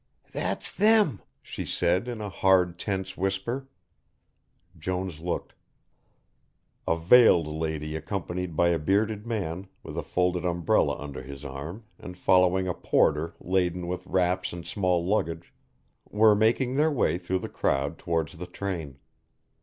"That's them," she said, in a hard, tense whisper. Jones looked. A veiled lady accompanied by a bearded man, with a folded umbrella under his arm and following a porter laden with wraps and small luggage, were making their way through the crowd towards the train.